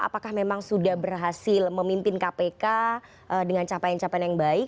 apakah memang sudah berhasil memimpin kpk dengan capaian capaian yang baik